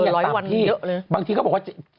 แล้วเกิด๑๐๐วันก็เอาเหอะเลย